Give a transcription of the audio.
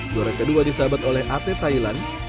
juara kedua disabat oleh atlet thailand